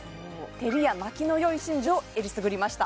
照りや巻きの良い真珠をえりすぐりました